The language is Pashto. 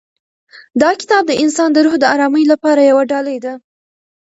دا کتاب د انسان د روح د ارامۍ لپاره یوه ډالۍ ده.